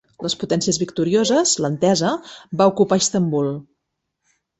Les potències victorioses, l'Entesa, va ocupar Istanbul.